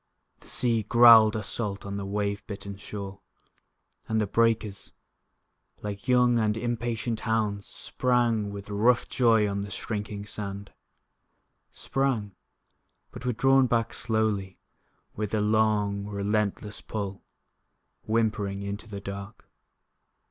The sea growled assault on the wave bitten shore. And the breakers, Like young and impatient hounds, Sprang, with rough joy on the shrinking sand. Sprang but were drawn back slowly, With a long, relentless pull, Whimpering, into the dark.